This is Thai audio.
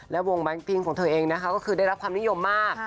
และวงแมงพิงของเธอเองนะคะก็คือได้รับความนิยมมาก